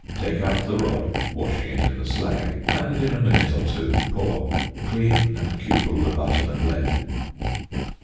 Take out the rod, washing it in the slag, and, in a minute or two, pour. Clean and cupel the button of lead.